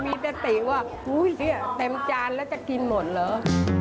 มีแต่ติว่าเฮ้ยเต็มจานแล้วจะกินหมดเหรอ